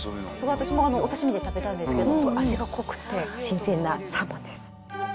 私もお刺身で食べたんですけど、味が濃くて、新鮮なサーモンです。